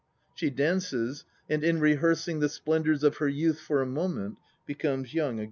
She dances, and in rehearsing the splendours of her youth for a moment becomes young again.